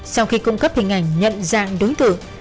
sau khi cung cấp hình ảnh nhận dạng đối tượng